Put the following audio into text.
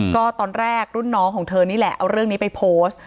ก็ตอนแรกรุ่นน้องของเธอนี่แหละเอาเรื่องนี้ไปโพสต์